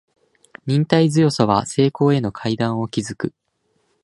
忍耐強さは成功への階段を築く